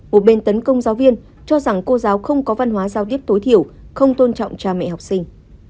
một bên tấn công giáo viên cho rằng cô giáo không có văn hóa giao tiếp tối thiểu không tôn trọng cha mẹ học sinh